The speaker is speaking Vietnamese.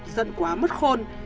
giận quá mất khôn